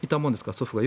祖父が。